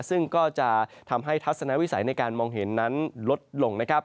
ซึ่งก็จะทำให้ทัศนวิสัยในการมองเห็นนั้นลดลง